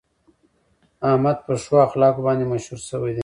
احمد په ښو اخلاقو باندې مشهور شوی دی.